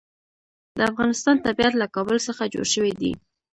د افغانستان طبیعت له کابل څخه جوړ شوی دی.